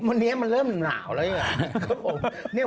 วันนี้มันเริ่มหนาวแล้ว